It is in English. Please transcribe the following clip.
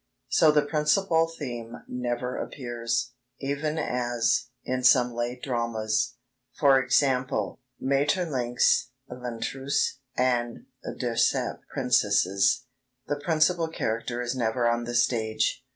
so the principal theme never appears, even as, in some late dramas e.g., Maeterlinck's L'Intruse and Les Sept Princesses the principal character is never on the stage."